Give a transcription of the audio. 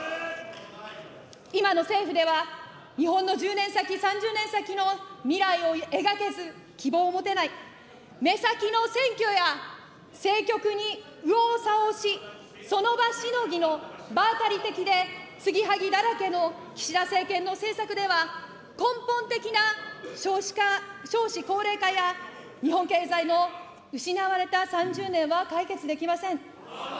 今の政府では、日本の１０年先、３０年先の未来を描けず、希望を持てない、目先の選挙や政局に右往左往し、その場しのぎの場当たり的で継ぎはぎだらけの岸田政権の政策では、根本的な少子化、少子高齢化や日本経済の失われた３０年は解決できません。